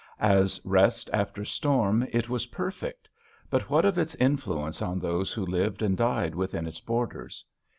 As rest after storm it was perfect; but what of its influence on those who lived and died within its borders